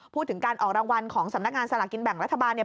พูดถึงการออกรางวัลของสำนักงานสลากินแบ่งรัฐบาลเนี่ย